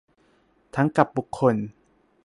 ทั้งกับบุคคล